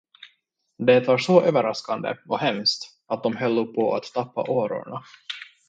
Det var så överraskande och hemskt att de höllo på att tappa årorna.